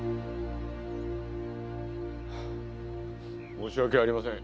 申し訳ありません。